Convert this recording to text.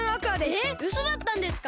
えうそだったんですか！？